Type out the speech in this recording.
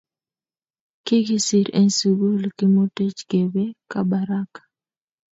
Kikisir en sukul kimutech kepe kabaraka